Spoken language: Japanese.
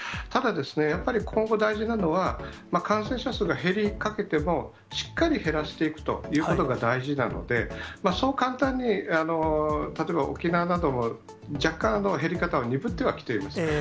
ただ、やっぱり今後、大事なのは、感染者数が減りかけても、しっかり減らしていくということが大事なので、そう簡単に、例えば、沖縄なども若干減り方は鈍ってはきています。